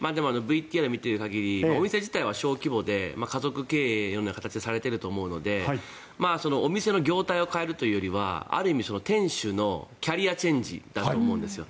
ＶＴＲを見ている限りお店自体は小規模で家族経営のような形でされていると思うのでお店の業態を変えるというよりはある意味店主のキャリアチェンジだと思うんですよ。